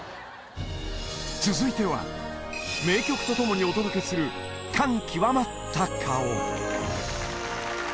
続いては名曲とともにお届けする感極まった顔